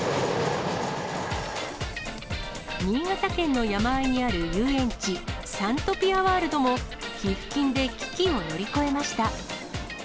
新潟県の山あいにある遊園地、サントピアワールドも、寄付金で危機を乗り越えました。